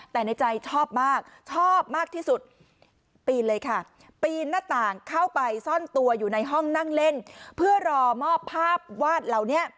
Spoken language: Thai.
แต่ในใจชอบมากชอบมากที่สุดปีนเลยค่ะ